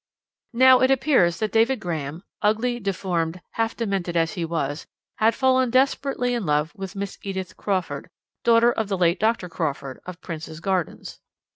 "Now, it appears that David Graham, ugly, deformed, half demented as he was, had fallen desperately in love with Miss Edith Crawford, daughter of the late Dr. Crawford, of Prince's Gardens.